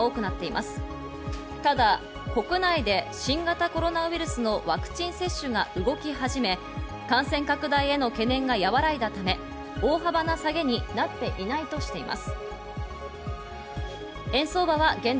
まだ国内で新型コロナウイルスのワクチン接種が動き始め、感染拡大への懸念が和らいだため、大幅な下げになっていないとしています。